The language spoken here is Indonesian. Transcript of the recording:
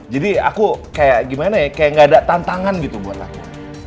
jadi aku kayak gimana ya kayak gak ada tantangan gitu buat aku